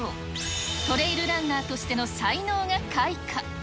トレイルランナーとしての才能が開花。